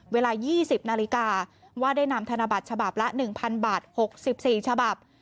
เวลายี่สิบนาฬิกาว่าได้นำธนบัตรฉบับละหนึ่งพันบาทหกสิบสี่ฉบับ